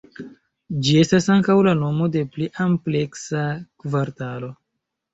Ĝi estas ankaŭ la nomo de pli ampleksa kvartalo.